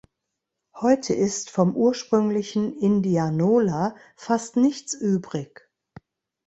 Heute ist vom ursprünglichen Indianola fast nichts übrig.